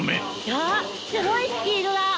わぁすごいスピードだ！